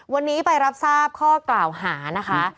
วันนี้ไปรับทราบข้อกล่าวหานะคะ